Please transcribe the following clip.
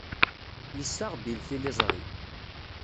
Yessaɣ Bill tiliẓri.